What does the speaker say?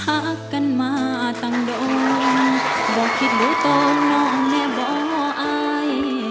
หากันมาต่างโดนบ่งขี้ดูตกน้องแน่บ่ออาย